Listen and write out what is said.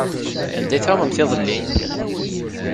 Anda ay tɛumemt iḍelli?